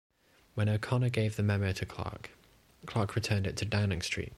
When O'Connor gave the memo to Clarke, Clarke returned it to Downing Street.